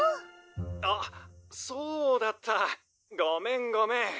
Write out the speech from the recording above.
「あっそうだったごめんごめん」